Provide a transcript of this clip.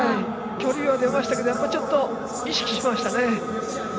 距離は出ましたけどちょっと意識しましたね。